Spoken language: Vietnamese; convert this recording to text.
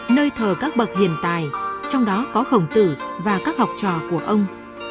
nơi thờ các bậc hiện tài trong đó có khổng tử và các học trò của ông